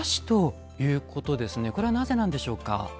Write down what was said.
これはなぜなんでしょうか？